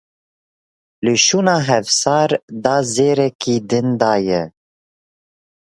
Li şûna hevsar da zêrekî din dayê.